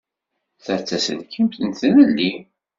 Ta d taselkimt n Tilelli.